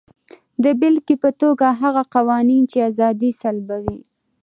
د بېلګې په توګه هغه قوانین چې ازادي سلبوي.